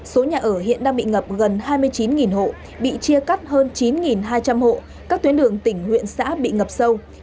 số nhà ở hiện đang bị ngập gần hai mươi chín hộ bị chia cắt hơn chín hai trăm linh hộ các tuyến đường tỉnh huyện xã bị ngập sâu